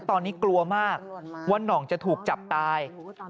ตอนนี้กลัวมากว่าน่องจะถูกจับตาย